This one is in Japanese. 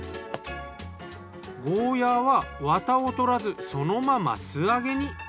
ゴーヤーはワタを取らずそのまま素揚げに。